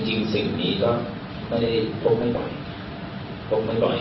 จริงสิ่งนี้ก็ไม่ได้โฆษณ์ให้ปล่อย